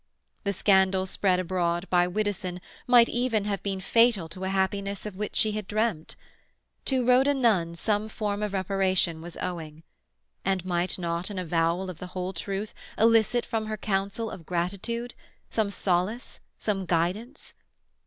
The scandal spread abroad by Widdowson might even have been fatal to a happiness of which she had dreamt. To Rhoda Nunn some form of reparation was owing. And might not an avowal of the whole truth elicit from her counsel of gratitude—some solace, some guidance?